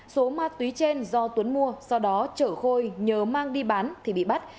số ma túy trên do tuấn mua sau đó chở khôi nhờ mang đi bán thì bị bắt